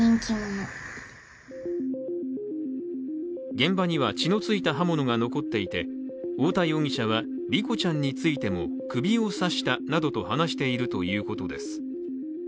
現場には血の付いた刃物が残っていて太田容疑者は梨心ちゃんについても首を刺したなどと話しているということです。